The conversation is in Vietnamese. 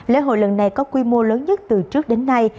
lễ hội lần này có quy mô lớn nhất từ trước đến nay